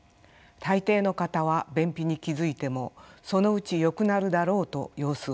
大抵の方は便秘に気付いてもそのうちよくなるだろうと様子を見ています。